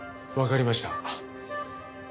わかりました。